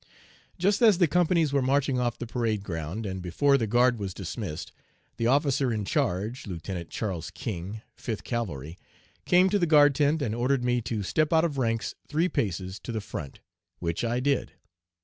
"Just as the companies were marching off the parade ground, and before the guard was dismissed, the 'officer in charge,' Lieutenant Charles King, Fifth Cavalry, came to the guard tent and ordered me to step out of ranks three paces to the front, which I did.